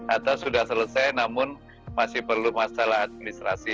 atau sudah selesai namun masih perlu masalah administrasi